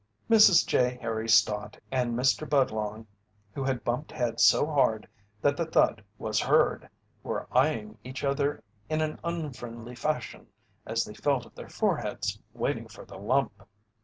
Mrs. J. Harry Stott and Mr. Budlong, who had bumped heads so hard that the thud was heard, were eyeing each other in an unfriendly fashion as they felt of their foreheads, waiting for the lump.